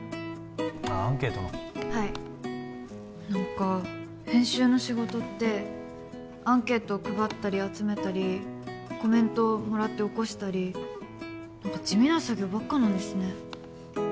アンケートのはい何か編集の仕事ってアンケート配ったり集めたりコメントもらって起こしたり何か地味な作業ばっかなんですね